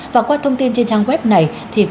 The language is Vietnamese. và qua thông tin trên trang web này